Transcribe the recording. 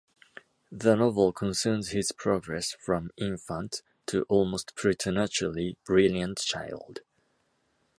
The novel concerns his progress from infant to almost preternaturally brilliant child.